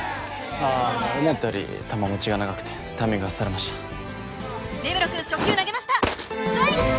ああ思ったより球持ちが長くてタイミング外されました根室くん初球投げましたストライク！